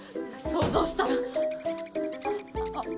想像したらあっ